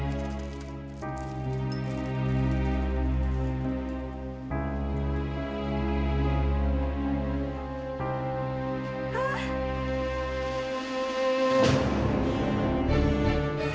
coba dilihat ini hadiah kenapa